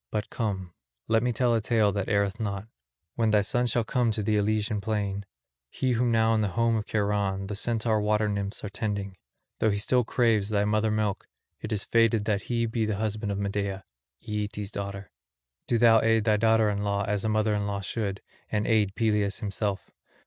But come, let me tell a tale that erreth not. When thy son shall come to the Elysian plain, he whom now in the home of Cheiron the Centaur water nymphs are tending, though he still craves thy mother milk, it is fated that he be the husband of Medea, Aeetes' daughter; do thou aid thy daughter in law as a mother in law should, and aid Peleus himself.